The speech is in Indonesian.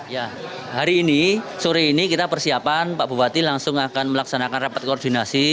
ya hari ini sore ini kita persiapan pak bupati langsung akan melaksanakan rapat koordinasi